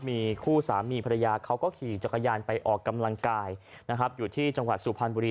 มีคู่สามีภรรยาเขาก็ขี่จักรยานไปออกกำลังกายนะครับอยู่ที่จังหวัดสุพรรณบุรี